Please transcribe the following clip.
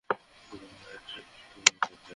আমার পায়ে শিকল পরিয়ে দিলেন।